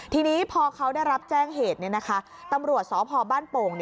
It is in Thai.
ทีนี้พอเขาได้รับแจ้งเหตุตำรวจสพบ้านโป่ง